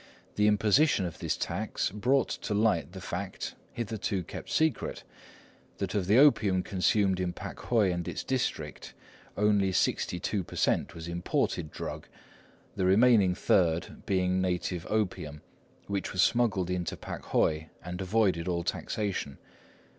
The imposition of this tax brought to light the fact, hitherto kept secret, that of the opium consumed in Pakhoi and its district, only sixty two per cent was imported drug, the remaining third being native opium, which was smuggled into Pakhoi, and avoided all taxation.